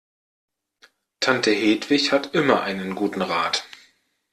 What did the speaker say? Tante Hedwig hat immer einen guten Rat.